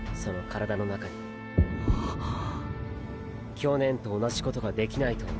去年と同じことができないと思うか？